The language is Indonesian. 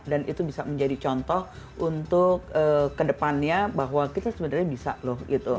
itu bisa menjadi contoh untuk kedepannya bahwa kita sebenarnya bisa loh gitu